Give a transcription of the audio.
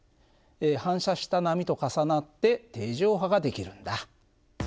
反射した波と重なって定常波が出来るんだ。